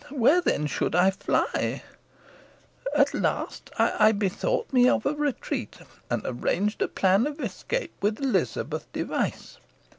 Where then should I fly? At last I bethought me of a retreat, and arranged a plan of escape with Elizabeth Device.